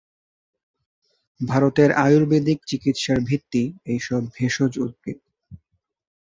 ভারতের আয়ুর্বেদিক চিকিৎসার ভিত্তি এইসব ভেষজ উদ্ভিদ।